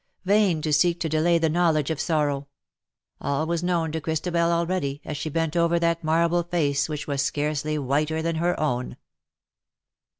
Vain to seek to delay the knowledge of sorrow. All was known to Christabel already, as she bent over that marble face which was scarcely whiter than her own.